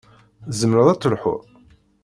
Tzemreḍ ad telḥuḍ?